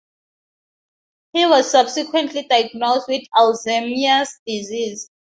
He was subsequently diagnosed with Alzheimer's disease.